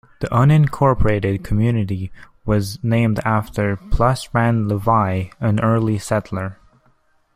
The unincorporated community was named after Plus Rand Levi, an early settler.